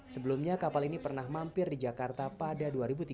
sebelumnya kapal ini pernah mampir di jakarta pada dua ribu tiga belas